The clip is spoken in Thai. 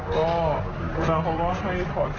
อย่างวันนี้ครูต้องรับตอบให้มากแล้วค่ะ